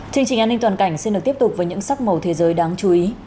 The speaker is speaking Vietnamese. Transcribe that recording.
chương trình an ninh toàn cảnh xin được tiếp tục với những sắc màu thế giới đáng chú ý